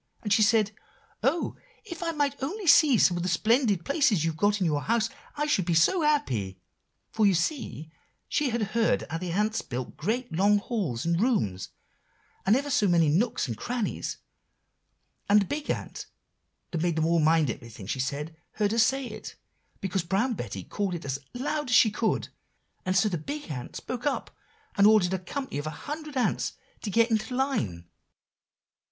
And she said, 'Oh! if I might only see some of the splendid places you've got in your house, I should be so happy;' for you see she had heard how the ants build great, long halls and rooms, and ever so many nooks and crannies. And the big ant that made them all mind everything she said, heard her say it, because Brown Betty called it as out loud as she could; and so the big ant spoke up, and ordered a company of a hundred ants to get into line."